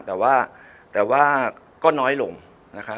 แต่ว่าก็น้อยลงนะคะ